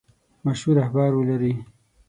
مشهور اخبار ولري.